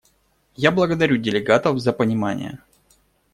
Я благодарю делегатов за понимание.